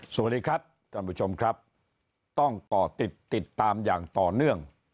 สวัสดีครับท่านผู้ชมครับต้องก่อติดติดตามอย่างต่อเนื่อง